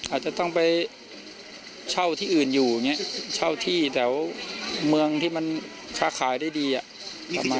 อาจจะต้องไปเช่าที่อื่นอยู่เช่าที่แต่ว่าเมืองที่มันข้างหน่าขายได้ดีตามมา